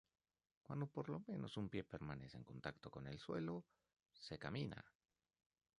Cuando por lo menos un pie permanece en contacto con el suelo, se camina.